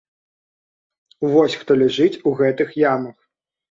Вось хто ляжыць у гэтых ямах.